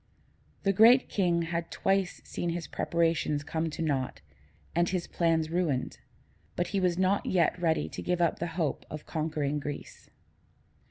The Great King had twice seen his preparations come to naught and his plans ruined, but he was not yet ready to give up the hope of conquering Greece.